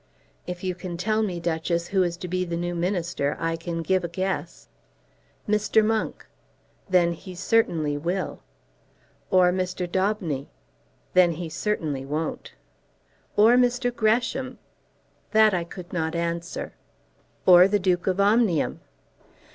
"If you can tell me, Duchess, who is to be the new minister, I can give a guess." "Mr. Monk." "Then he certainly will." "Or Mr. Daubeny." "Then he certainly won't." "Or Mr. Gresham." "That I could not answer." "Or the Duke of Omnium."